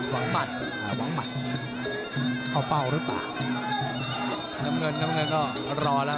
แห่งโรงการมือเขามีวังซันนะ